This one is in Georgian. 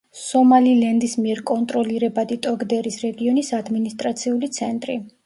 სომალილენდის მიერ კონტროლირებადი ტოგდერის რეგიონის ადმინისტრაციული ცენტრი.